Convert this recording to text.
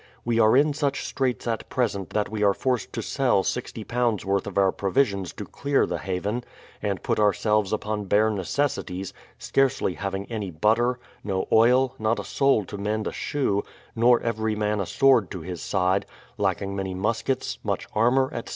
We are in such straits at present that we are forced to sell £60 worth of our provisions to clear the Haven, and put ourselves upon bare necessities, scarcely having any butter, no oil, not a soul to mend a shoe, nor every man a sword to his side, lacking many muskets, much armour, etc.